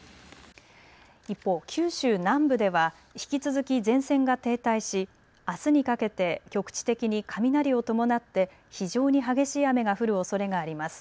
一方、九州南部では引き続き前線が停滞し、あすにかけて局地的に雷を伴って非常に激しい雨が降るおそれがあります。